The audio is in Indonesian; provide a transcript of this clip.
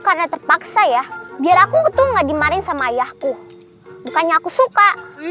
karena terpaksa ya biar aku ketungan dimarin sama ayahku bukannya aku suka